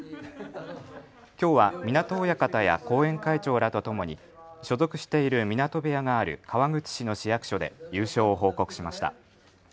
きょうは湊親方や後援会長らとともに所属している湊部屋がある川口市の市役所で優勝を報告しました。